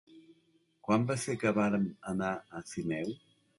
Quan va ser que vam anar a Sineu?